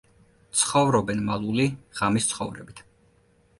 ცხოვრობენ მალული, ღამის ცხოვრებით.